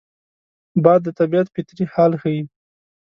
باد د طبیعت فطري حال ښيي